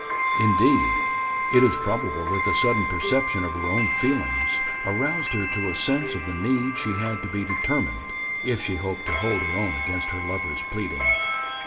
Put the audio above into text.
Indeed, it is probable that the sudden perception of her own feelings aroused her to a sense of the need she had to be determined, if she hoped to hold her own against her lover's pleading.